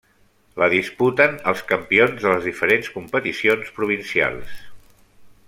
La disputen els campions de les diferents competicions provincials.